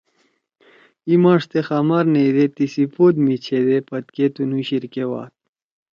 ای ماݜ تے خامار نیئیدے تیِسی پود می چھیدے پدکے تنُو شیِر کے واد۔